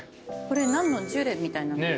これ何のジュレみたいなの。